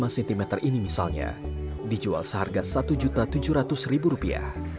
lima cm ini misalnya dijual seharga satu tujuh ratus rupiah